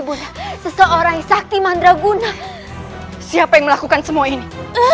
ibunya seseorang sakti mandraguna siapa yang melakukan semua ini